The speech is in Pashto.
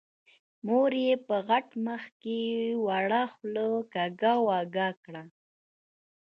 مور يې په غټ مخ کې وړه خوله کږه وږه کړه.